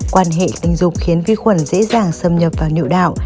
quan hệ tình dục khiến vi khuẩn dễ dàng xâm nhập vào nội đạo